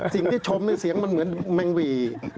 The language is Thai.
สิ่งที่ชมเสียงมันเหมือนแม่งหวี่